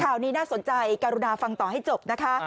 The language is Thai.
ข่าวนี้น่าสนใจการุณาฟังต่อให้จบนะคะ